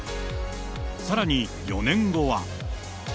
さらに４年後は。